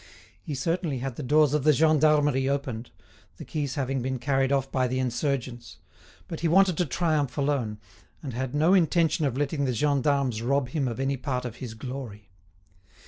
He certainly had the doors of the gendarmerie opened—the keys having been carried off by the insurgents—but he wanted to triumph alone, and had no intention of letting the gendarmes rob him of any part of his glory.